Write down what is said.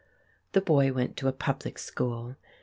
The boy went to a public school.